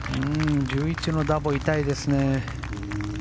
１１のダボは痛いですね。